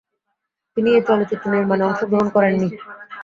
তিনি এই চলচ্চিত্র নির্মাণে অংশগ্রহণ করেন নি।